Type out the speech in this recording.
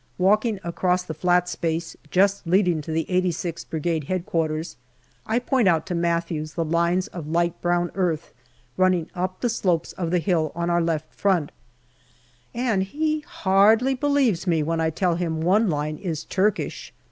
Walking across the flat space just leading to the 86th Brigade H.Q., I point out to Matthews the lines of light brown earth running up the slopes of the hill on our left front, and he hardly believes me when I tell him one line is Turkish.